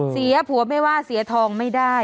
เสียผัวไม่ว่าเสียทองไม่ได้